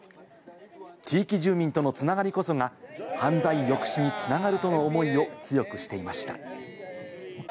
地域住民との繋がりこそが犯罪抑止に繋がるとの思いを強くしていました。